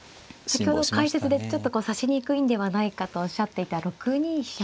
先ほど解説でちょっと指しにくいんではないかとおっしゃっていた６二飛車でした。